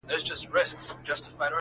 کي بديل نه لري -